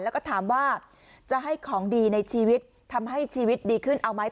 แล้วก็ถามว่าจะให้ของดีในชีวิตทำให้ชีวิตดีขึ้นเอาไหม